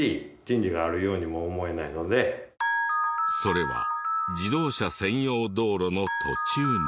それは自動車専用道路の途中に。